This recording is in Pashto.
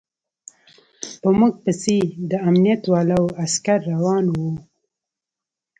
په موږ پسې د امنيت والاو عسکر روان و.